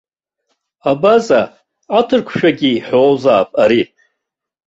Абаза, аҭырқәшәагьы иҳәозаап ари.